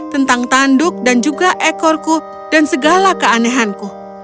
tentang tanduk dan juga ekorku dan segala keanehanku